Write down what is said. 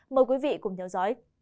mời quý vị cùng theo dõi